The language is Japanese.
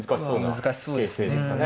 難しそうですね。